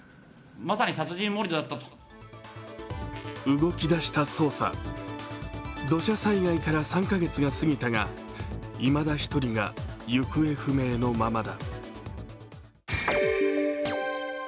動き出した捜査、土砂災害から３カ月が過ぎたがいまだ１人が行方不明のままだ。